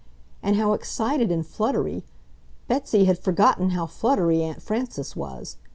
And how excited and fluttery! Betsy had forgotten how fluttery Aunt Frances was!